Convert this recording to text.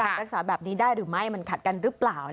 รักษาแบบนี้ได้หรือไม่มันขัดกันหรือเปล่า